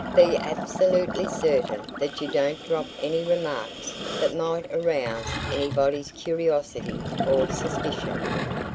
Be absolutely certain that you don't drop any remarks that might arouse anybody's curiosity or suspicion.